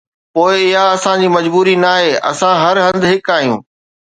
پوءِ اها اسان جي مجبوري ناهي، اسان هر هنڌ هڪ آهيون.